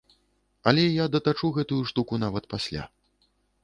Але я датачу гэтую штуку нават пасля.